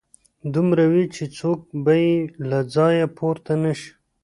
دومره وي چې څوک به يې له ځايه پورته نشي